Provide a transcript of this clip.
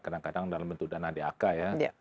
kadang kadang dalam bentuk dana dak ya